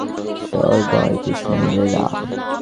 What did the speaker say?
সবই কৃষ্ণের লীলা।